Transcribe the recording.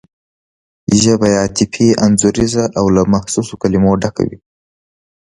ژبه یې عاطفي انځوریزه او له محسوسو کلمو ډکه وي.